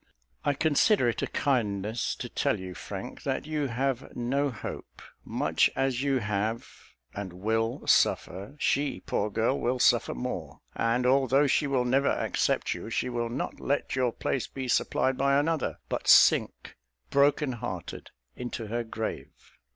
I consider it a kindness to tell you, Frank, that you have no hope. Much as you have and will suffer, she, poor girl, will suffer more; and, although she will never accept you, she will not let your place be supplied by another, but sink, broken hearted, into her grave.